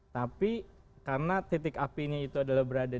tapi karena titik apinya itu adalah berada di